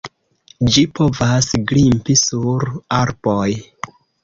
Ĝi povas grimpi sur arboj.